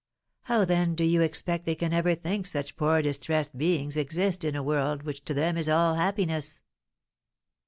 How, then, do you expect they can ever think such poor distressed beings exist in a world which to them is all happiness?